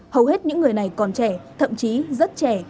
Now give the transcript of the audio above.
hầu hết những người này còn trẻ thậm chí rất trẻ